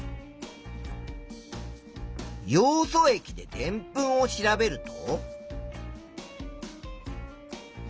ヨウ素液ででんぷんを調べると。